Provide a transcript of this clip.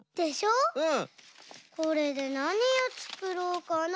これでなにをつくろうかな。